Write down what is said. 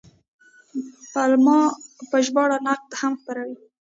پملا په ژباړه نقد هم خپروي.